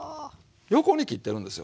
横に切ってるんですよ。